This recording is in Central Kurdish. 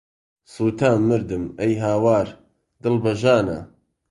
سوتام، مردم، ئەی هاوار، دڵ بە ژانە